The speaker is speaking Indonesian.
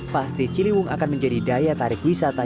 pasti ciliwung akan menjadi daya tarik wisata yang menarik